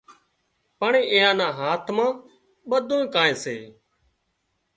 پڻ اين نا هاٿ مان ٻڌوئيني ڪانئين سي